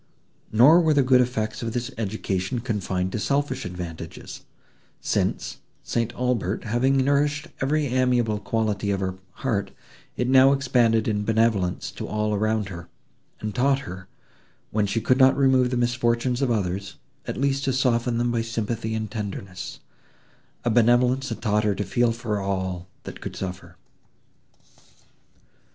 Nor were the good effects of this education confined to selfish advantages, since, St. Aubert having nourished every amiable quality of her heart, it now expanded in benevolence to all around her, and taught her, when she could not remove the misfortunes of others, at least to soften them by sympathy and tenderness;—a benevolence that taught her to feel for all, that could suffer.